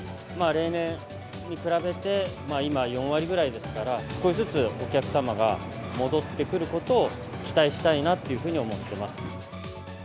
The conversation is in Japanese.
例年に比べて、今４割ぐらいですから、少しずつお客様が戻ってくることを期待したいなというふうに思ってます。